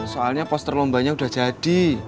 soalnya poster lombanya sudah jadi